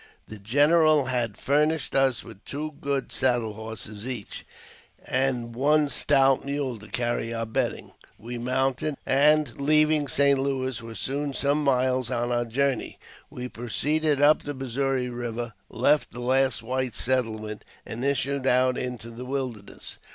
The general had furnished us with two good saddle horses •each, and one stout mule to carry our bedding. We mounted, a.nd, leaving St. Louis, were soon some miles on our journey. We proceeded up the Missouri Eiver, left the last white settlement, and issued out into the wilderness.